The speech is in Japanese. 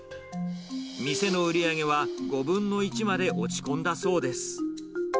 店の売り上げは５分の１まで落ち込んだそうです。